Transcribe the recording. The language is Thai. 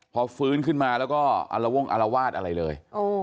พอฟื้นขึ้นมาแล้วก็อารวงอารวาสอะไรเลย